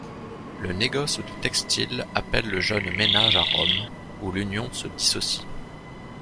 Le négoce de textile appelle le jeune ménage à Rome, où l'union se dissocie.